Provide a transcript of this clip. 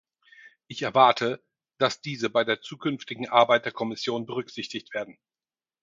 Ich erwarte, dass diese bei der zukünftigen Arbeit der Kommission berücksichtigt werden.